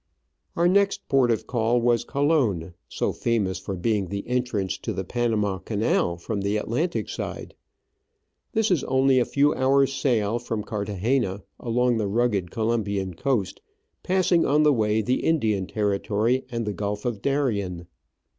Our next port of call was Colon, so famous for being the entrance to the Panama Canal from the Atlantic side. This is only a few hours sail from Digitized by VjOOQIC 214 Travels and Adventures Carthagena, along the rugged Colombian coast, passing on the way the Indian territory and the Gulf of Darien.